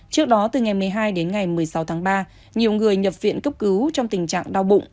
trước đó từ ngày một mươi hai đến ngày một mươi sáu tháng ba nhiều người nhập viện cấp cứu trong tình trạng đau bụng